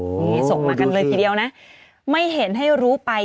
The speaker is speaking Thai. นี่ส่งมากันเลยทีเดียวนะไม่เห็นให้รู้ไป